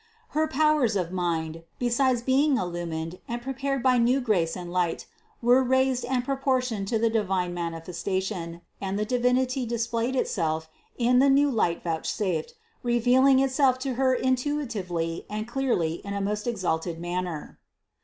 Her powers of mind, besides being illumined and prepared by new grace and light, were raised and proportioned to the divine manifes tation, and the Divinity displayed Itself in the new light vouchsafed, revealing Itself to Her intuitively and clearly in a most exalted manner.